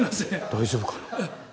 大丈夫かな？